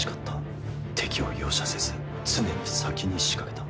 敵を容赦せず常に先に仕掛けた。